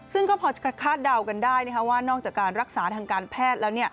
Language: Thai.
ซึ่งก็พอจะคาดเดากันได้ว่านอกจากการรักษาทางการแพทย์แล้ว